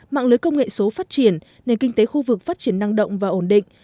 mạng lưới công nghệ số phát triển nền kinh tế khu vực phát triển năng động và ổn định